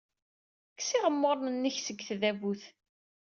Kkes iɣemmuren-nnek seg tdabut.